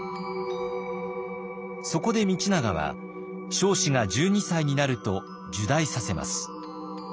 そこで道長は彰子が１２歳になると入内させます。